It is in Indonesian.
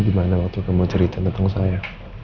itu udah jawaban yang bener ya